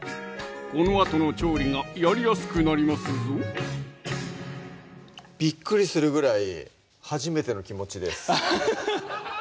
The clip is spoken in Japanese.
このあとの調理がやりやすくなりますぞびっくりするぐらい初めての気持ちです